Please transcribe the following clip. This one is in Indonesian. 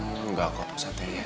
enggak kok santai ya